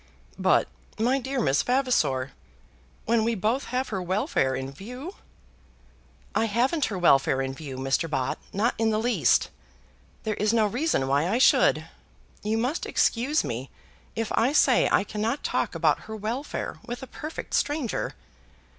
"But, dear Miss Vavasor; when we both have her welfare in view ?" "I haven't her welfare in view, Mr. Bott; not in the least. There is no reason why I should. You must excuse me if I say I cannot talk about her welfare with a perfect stranger."